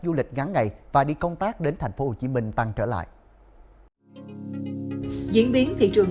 du lịch ngắn ngày và đi công tác đến thành phố hồ chí minh tăng trở lại diễn biến thị trường